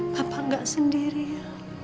bapak gak sendiri ya